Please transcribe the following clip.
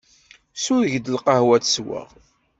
Sureg-d lqahwa ad tt-sweɣ.